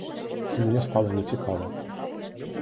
І мне стала нецікава.